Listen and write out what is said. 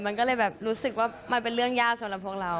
มันก็เลยแบบรู้สึกว่ามันเป็นเรื่องยากสำหรับพวกเรา